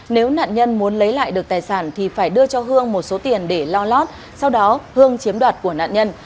nếu nạn nhân muốn lấy lại được tài sản thì phải đưa cho hương một số tiền để lo lót sau đó hương chiếm đoạt của nạn nhân